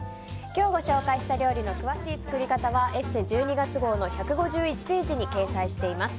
今日ご紹介した料理の詳しい作り方は「ＥＳＳＥ」１２月号の１５１ページに掲載しています。